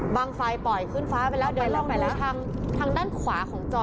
บางไฟปล่อยขึ้นฟ้าไปแล้วเดี๋ยวลองดูทางทางด้านขวาของจอ